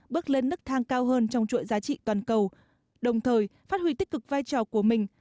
bước lên nức thang cao hơn trong chuỗi giá trị toàn cầu đồng thời phát huy tích cực vai trò của mình